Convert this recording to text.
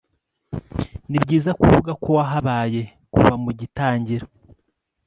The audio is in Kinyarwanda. nibyiza kuvuga ko wahabaye kuva mugitangira